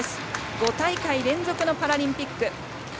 ５大会連続のパラリンピック。